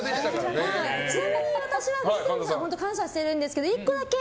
ちなみに私はフジテレビさんに感謝してるんですが１個だけ。